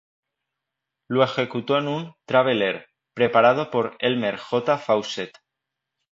Lo ejecutó en un "Travel Air" preparado por Elmer J. Faucett.